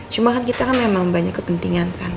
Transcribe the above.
cuma kan kita kan memang banyak kepentingan kan